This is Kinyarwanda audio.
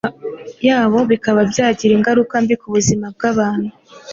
yabo bikaba byagira ingaruka mbi ku buzima bw’abantu.